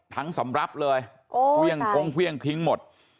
ทั้งสำรับเลยเครื่องทิ้งหมด